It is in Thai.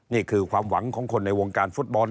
นี่คือความหวังของคนในวงการฟุตบอล